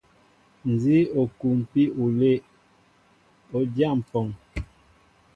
Nzi o kumpi olɛʼ, o dya mpɔŋ.